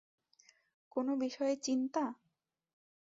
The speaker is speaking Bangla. কোন বিষয়ে চিন্তা?